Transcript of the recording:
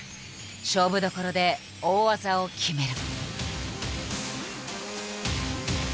勝負どころで大技を決める。